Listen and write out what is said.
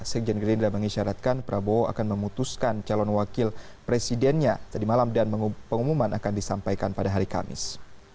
sekjen gerindra mengisyaratkan prabowo akan memutuskan calon wakil presidennya tadi malam dan pengumuman akan disampaikan pada hari kamis